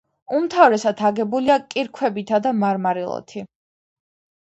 უმთავრესად აგებულია კირქვებითა და მარმარილოთი.